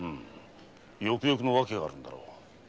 よくよくの訳があるのだろう。